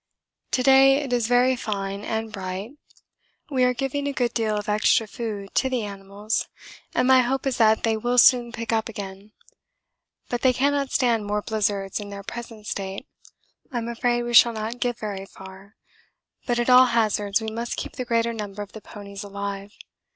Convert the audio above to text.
To day it is very fine and bright. We are giving a good deal of extra food to the animals, and my hope is that they will soon pick up again but they cannot stand more blizzards in their present state. I'm afraid we shall not get very far, but at all hazards we must keep the greater number of the ponies alive.